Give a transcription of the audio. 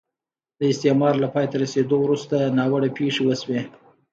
د استعمار له پای ته رسېدو وروسته ناوړه پېښې وشوې.